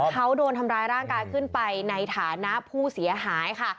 เขาโดนทำร้ายร่างกายขึ้นไปในฐานะผู้เสียหายค่ะ